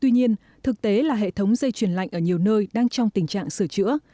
tuy nhiên thực tế là hệ thống dây chuyển lạnh ở nhiều nơi đang trong tình trạng sửa chữa